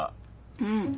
うん。